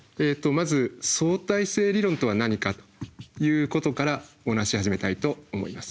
まず相対性理論とは何かということからお話始めたいと思います。